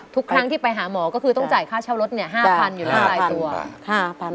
ทุกครั้งที่ไปหาหมอก็คือต้องจ่ายค่าเช่ารถ๕๐๐อยู่แล้วรายตัว